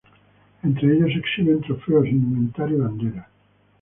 Entre ellos se exhiben trofeos, indumentaria y banderas.